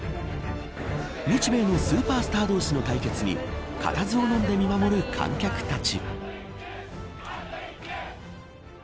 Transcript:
日米のスーパースター同士の対決にかたずをのんで見守る観客たち。